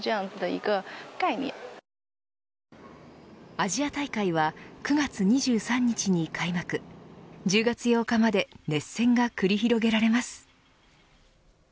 アジア大会は９月２３日に開幕１０月８日まで熱戦が繰り広げられます。